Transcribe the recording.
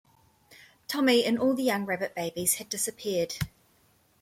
Tommy and all the young rabbit-babies had disappeared!